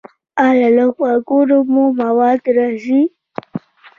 ایا له غوږونو مو مواد راځي؟